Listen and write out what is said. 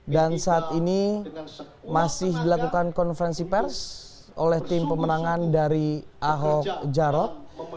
dan saat ini masih dilakukan konferensi pers oleh tim pemenangan dari ahok jarod